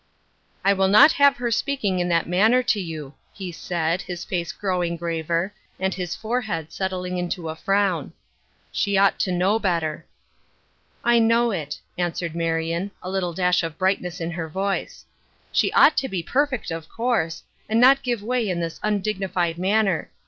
I will not have her speaking in that mauner to you," he said, his face growing graver, and his forehead settling into a frown. " She ought to know better." " I know it," answered Marion, a little dash of brightness in her voice. " She ought to be perfect, of course, and not give way in this undignified manner.